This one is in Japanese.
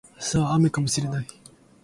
明日は雨かもしれない